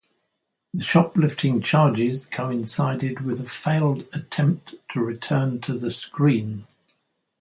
The shoplifting charges coincided with a failed attempt to return to the screen.